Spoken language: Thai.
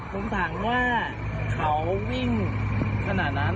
ผมถามว่าเขาวิ่งขนาดนั้น